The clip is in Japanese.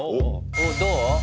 おっ、どう？